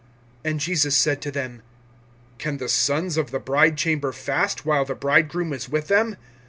(19)And Jesus said to them: Can the sons of the bridechamber fast[2:19], while the bridegroom is with them?